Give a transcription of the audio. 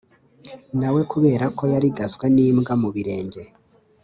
Nawe kubera ko yarigaswe n'imbwa mu birenge